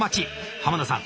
濱田さん